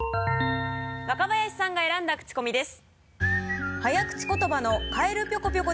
若林さんが選んだクチコミです。